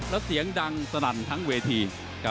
แล้วเสียงดังสนั่นทั้งเวที